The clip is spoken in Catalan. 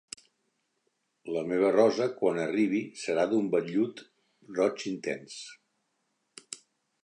La meva rosa, quan arribi, serà d’un vellut roig intens.